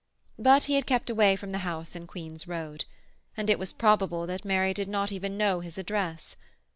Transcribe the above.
But he had kept away from the house in Queen's Road, and it was probable that Mary did not even know his address.